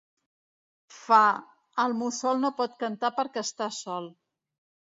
Fa: “El mussol no pot cantar perquè està sol.